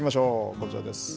こちらです。